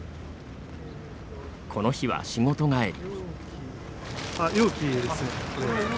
この日は仕事帰り。